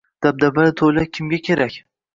Dabdabali to‘ylar kimga kerak?ng